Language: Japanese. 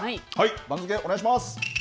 番付、お願いします。